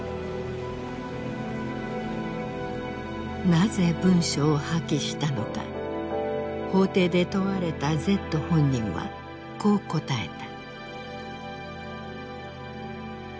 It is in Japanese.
なぜ文書を破棄したのか法廷で問われたＺ本人はこう答えた。